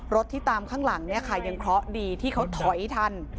รถที่ตามข้างหลังยังเพราะดีที่เขาถอยทัน